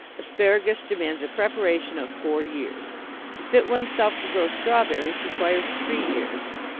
Asparagus demands a preparation of four years. To fit oneself to grow strawberries requires three years.